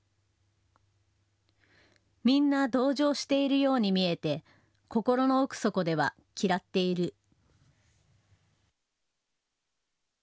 みんな同情しているように見えて心の奥底では嫌っている。